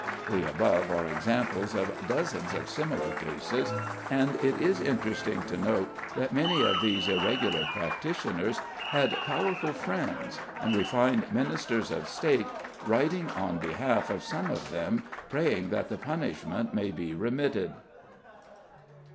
The above are samples of dozens of similar cases; and it is interesting to note that many of these irregular practitioners had powerful friends, and we find Ministers of State writing on behalf of some of them, praying that the punishment may be remitted.